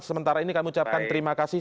sementara ini kami ucapkan terima kasih